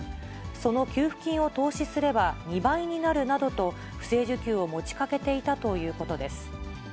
その給付金を投資すれば２倍になるなどと、不正受給を持ちかけていたということです。